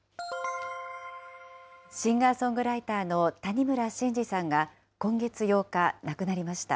シンガーソングライターの谷村新司さんが、今月８日、亡くなりました。